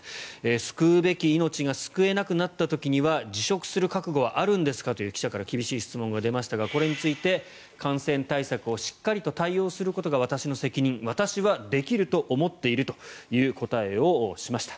救うべき命が救えなくなった時には辞職する覚悟はあるんですかという記者から厳しい質問が出ましたがこれについて感染対策をしっかりと対応することが私の責任私はできると思っているという答えをしました。